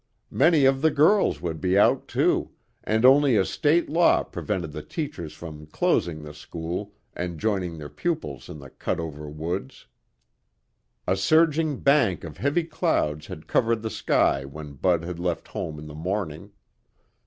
Many of the girls would be out, too, and only a state law prevented the teachers from closing the school and joining their pupils in the cutover woods. A surging bank of heavy clouds had covered the sky when Bud had left home in the morning.